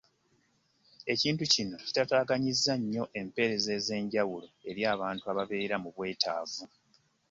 Ekintu kino kutaataaganyizza empeereza ez'enjawulo eri abantu ababeera mu bwetaavu